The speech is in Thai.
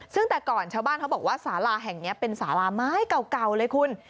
ซึ่งแต่ก่อนชาวบ้านเขาบอกว่าสาลาแห่งนี้เป็นสาราไม้เก่าเลยคุณ